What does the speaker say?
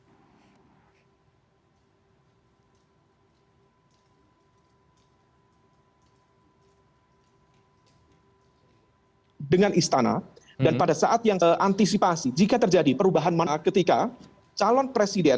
hai dengan istana dan pada saat yang keantisipasi jika terjadi perubahan mana ketika calon presiden